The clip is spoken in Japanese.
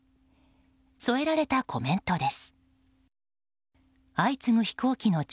添えられたコメントです。